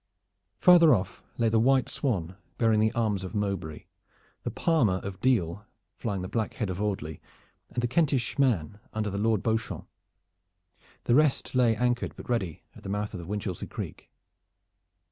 Farther off lay the White Swan, bearing the arms of Mowbray, the Palmer of Deal, flying the Black Head of Audley, and the Kentish man under the Lord Beauchamp. The rest lay, anchored but ready, at the mouth of Winchelsea Creek.